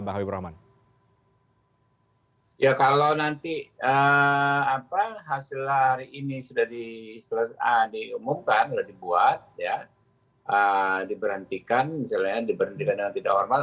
ya kalau nanti hasil hari ini sudah diumumkan sudah dibuat ya diberhentikan misalnya diberhentikan dengan tidak hormat